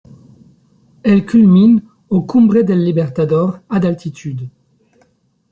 Elle culmine au Cumbre del Libertador à d'altitude.